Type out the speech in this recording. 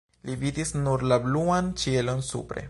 Li vidis nur la bluan ĉielon supre.